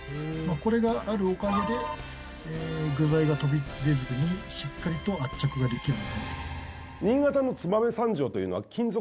これがあるおかげで具材が飛び出ずにしっかりと圧着ができる。